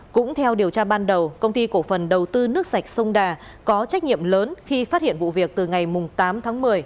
cũng theo điều tra ban đầu công ty cổ phần đầu tư nước sạch sông đà có trách nhiệm lớn khi phát hiện vụ việc từ ngày tám tháng một mươi